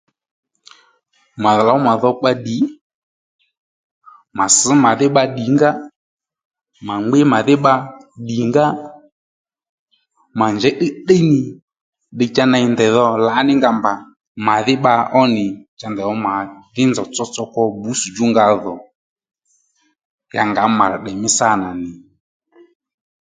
Ma lǒw mà dhokpa ddǐ mà sš màdhí bba ddǐngǎ mà ngbí màdhí bba ddǐngǎ mà njěy tdiytdiy nì ddiy cha ndèy dho ney lǎní nga mbà màdhí bba ó nì cha ndèy dho màdhí nzòw tsotso kwo bbǔsùdjú nga dhò cha ngǎ mà rà tè mí sâ nà nì